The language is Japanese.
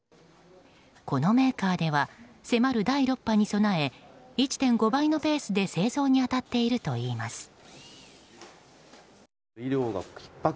このメーカーでは迫る第６波に備え１．５倍のペースで製造に当たっているといいます。